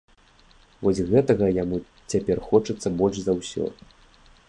Вось гэтага яму цяпер хочацца больш за ўсё.